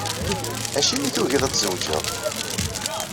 Acimi i tugiḍ ad tzewǧeḍ?